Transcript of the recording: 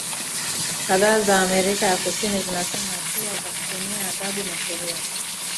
kadhaa za Amerika ya Kusini zinasema hatua za kutumia adhabu na sheria